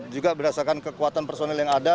juga berdasarkan kekuatan personil yang ada